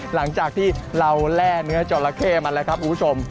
หลังจากที่เราแร่เนื้อจอละเข้มาแล้วครับคุณผู้ชม